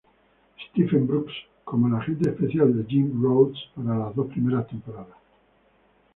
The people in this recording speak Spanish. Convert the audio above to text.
Stephen Brooks como el agente especial de Jim Rhodes, para las dos primeras temporadas.